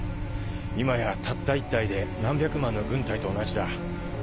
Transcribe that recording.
今やたった１体で何百万の軍隊と同じだ。